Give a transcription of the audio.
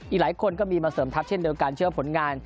อีกหลายคนก็มีมาเสริมทัพเช่นเดียวกันเชื่อผลงาน